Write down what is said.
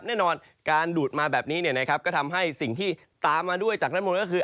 แน่นอนการดูดมาแบบนี้ก็ทำให้สิ่งที่ตามมาด้วยจากนั้นมนต์ก็คือ